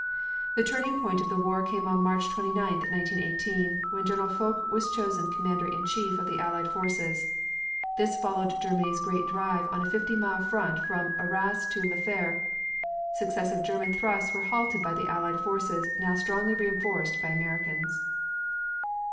The turning point of the war came on March 29, 1918, when General Foch was chosen Commander in Chief of all the Allied forces. This followed Germany's great drive on a fifty mile front from Arras to La Fere. Successive German thrusts were halted by the Allied forces now strongly reinforced by Americans.